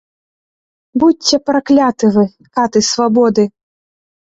Будзьце пракляты вы, каты свабоды!